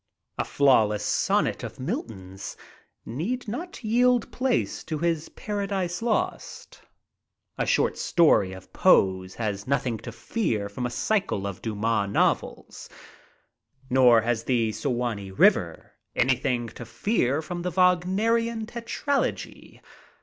A flawless son net of Milton's need not yield place to his "Paradise Lost." A short story of Poe's has nothing to fear from a cycle of Dumas novels, nor has "The Suwanee River" anything to fear from the Wagnerian tetralogy.